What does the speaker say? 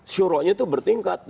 syuruhnya itu bertingkat